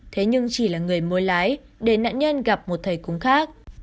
thế nhưng chỉ là người mua lái để nạn nhân gặp một thầy cúng khác